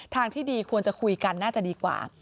ทางที่ดีควรจะคุยกันน่าจะดีกว่า